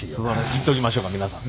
いっときましょうか皆さん。